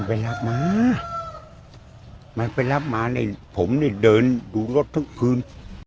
มันไปรับมามันไปรับมาเนี่ยผมเนี่ยเดินดูรถทั้งคืน